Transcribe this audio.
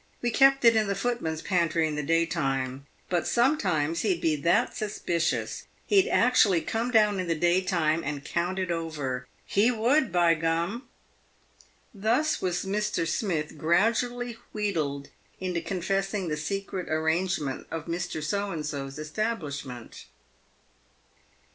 We kept it in the footman's pantry in the daytime, but sometimes he'd be that suspicious he'd actually come down in the daytime and count it over. He would, by gum!" Thus was Mr. Smith gradually wheedled into confessing the secret arrangements of Mr. So and So's establishment.